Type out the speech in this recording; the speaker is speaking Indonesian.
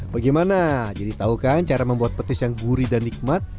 bagaimana jadi tahu kan cara membuat petis yang gurih dan nikmat